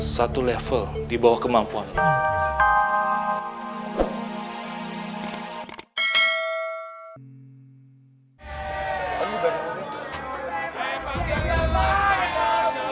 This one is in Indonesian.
satu level dibawah kemampuan lo